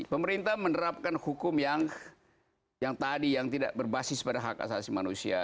pemerintah menerapkan hukum yang tadi yang tidak berbasis pada hak asasi manusia